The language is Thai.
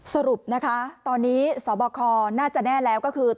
สรุปนะคะตอนนี้สบคน่าจะแน่แล้วก็คือ